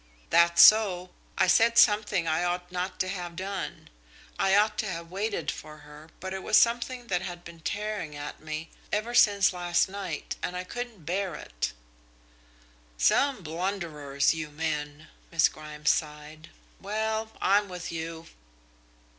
"That's so. I said something I ought not to have done. I ought to have waited for her, but it was something that had been tearing at me ever since last night, and I couldn't bear it." "Some blunderers, you men," Miss Grimes sighed. "Well, I'm with you."